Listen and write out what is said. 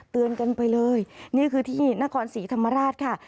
กันไปเลยนี่คือที่นครศรีธรรมราชค่ะ